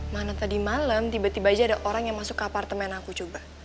mana tadi malam tiba tiba aja ada orang yang masuk ke apartemen aku coba